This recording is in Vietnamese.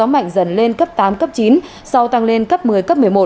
mạnh dần lên cấp tám cấp chín sau tăng lên cấp một mươi cấp một mươi một